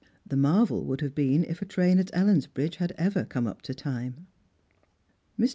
The marvel would have been if a train at Ellensbridge had ever come up to time. Mr.